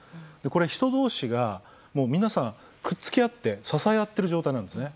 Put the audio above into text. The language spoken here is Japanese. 人同士が皆さん、くっ付き合って支えあっている状態なんですね。